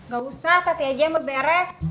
gak usah tati aja yang beberes